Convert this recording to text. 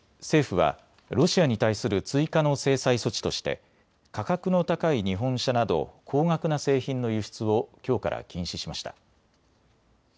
政府はロシアに対する追加の制裁措置として価格の高い日本車など高額な製品の輸出をきょうから禁止しました。